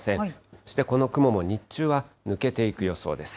そしてこの雲も日中は抜けていく予想です。